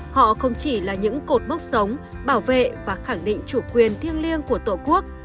họ không chỉ là những cột mốc sống bảo vệ và khẳng định chủ quyền thiêng liêng của tổ quốc